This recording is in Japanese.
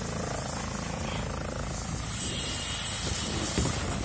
こうしてて。